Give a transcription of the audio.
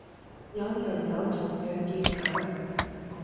有人有同樣見解